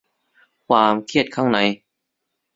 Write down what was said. ความเครียดข้างใน